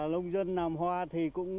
lông dân nằm hoa thì cũng